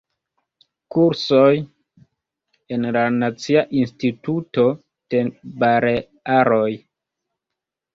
Kursoj en la Nacia Instituto de Balearoj.